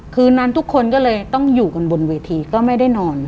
คืนนั้นทุกคนก็เลยต้องอยู่กันบนเวทีก็ไม่ได้นอน